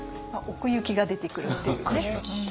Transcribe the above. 奥行きが出てくるっていうね。